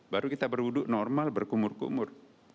baru kita berwuduk normal berkumur kumur